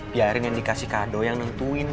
biarin yang dikasih kado yang nentuin